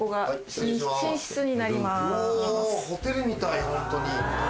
うおホテルみたいホントに。